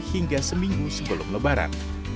hingga seminggu sebelum lebaran